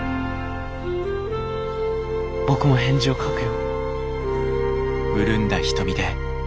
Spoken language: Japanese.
．僕も返事を書くよ。